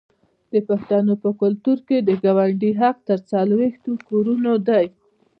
د پښتنو په کلتور کې د ګاونډي حق تر څلوېښتو کورونو دی.